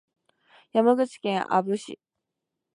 山口県阿武町